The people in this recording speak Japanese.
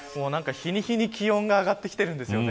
日に日に気温が上がってきてるんです。